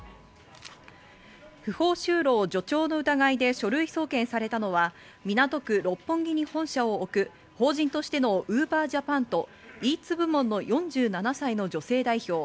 不法就労助長の疑いで書類送検されたのは、港区・六本木に本社を置く法人としてのＵｂｅｒＪａｐａｎとイーツ部門の４７歳の女性代表。